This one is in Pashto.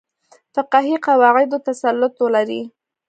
فقهي قواعدو تسلط ولري.